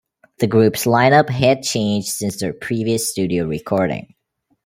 The group's line-up had changed since their previous studio recording.